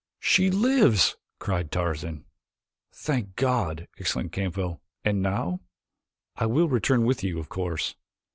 '" "She lives!" cried Tarzan. "Thank God!" exclaimed Capell. "And now?" "I will return with you, of course.